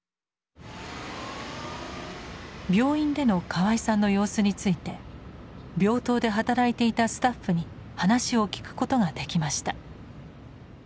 病院での河合さんの様子について病棟で働いていたスタッフに話を聞くことができました。